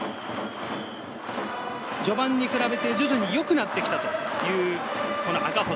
序盤に比べて徐々に良くなってきたという赤星。